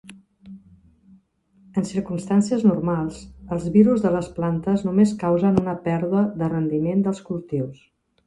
En circumstàncies normals, els virus de les plantes només causen una pèrdua de rendiment dels cultius.